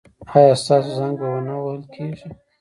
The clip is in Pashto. ایا ستاسو زنګ به و نه وهل کیږي؟